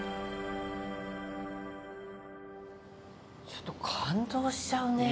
ちょっと感動しちゃうね。